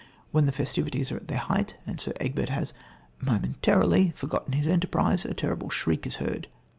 When the festivities are at their height, and Sir Egbert has momentarily forgotten his enterprise, a terrible shriek is heard.